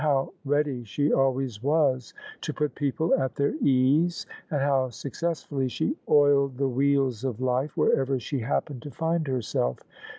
How ready she always was to put people at their ease, and how success fully she oiled the wheels of life wherever she happened to find herself.